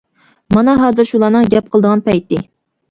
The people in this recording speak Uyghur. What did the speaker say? مانا ھازىر شۇلارنىڭ گەپ قىلىدىغان پەيتى.